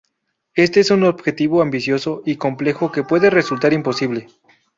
Éste es un objetivo ambicioso y complejo que puede resultar imposible.